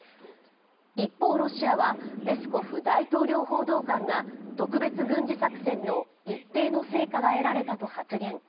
一方、ロシアはペスコフ大統領報道官が特別軍事作戦の一定の成果が得られたと発言。